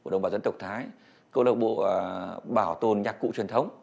đồng bào dân tộc thái câu lạc bộ bảo tồn nhạc cụ truyền thống